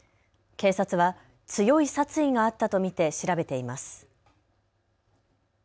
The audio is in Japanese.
警察は強い殺意があったと見て調べています。